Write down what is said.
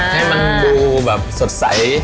ให้มันดูแบบสดใส